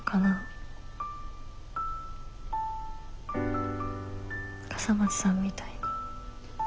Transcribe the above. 笠松さんみたいに。